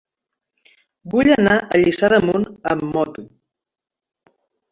Vull anar a Lliçà d'Amunt amb moto.